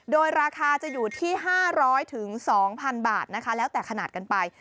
โดยราคาจะอยู่ที่๕๐๐๒๐๐๐บาทนะคะแล้วแต่ขนาดกันไป